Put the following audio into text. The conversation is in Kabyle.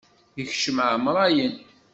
Ikcem ɛamṛayen.